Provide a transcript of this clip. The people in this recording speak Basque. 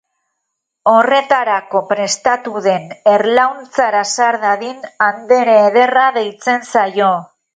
Horretarako prestatu den erlauntzara sar dadin, andere ederra deitzen zaio.